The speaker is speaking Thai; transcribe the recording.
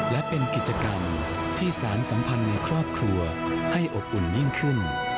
และเป็นกิจกรรมที่สารสัมพันธ์ในครอบครัวให้อบอุ่นยิ่งขึ้น